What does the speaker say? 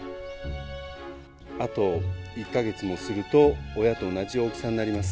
あと１か月もすると、親と同じ大きさになります。